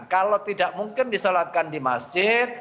kalau tidak mungkin disolatkan di masjid